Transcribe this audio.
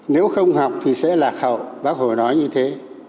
nếu không học thì sẽ lạc hậu bác hồ nói như thế